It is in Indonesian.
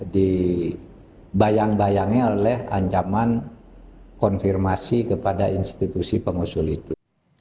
dibayang bayangi oleh ancaman konfirmasi kepada institusi pengusul itu